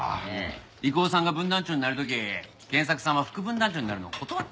郁夫さんが分団長になる時賢作さんは副分団長になるのを断ったんやて。